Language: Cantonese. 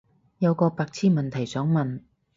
有個白癡問題想問